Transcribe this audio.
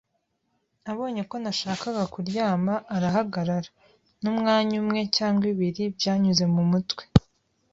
Abonye ko nashakaga kuryama, arahagarara; n'umwanya umwe cyangwa ibiri byanyuze mumutwe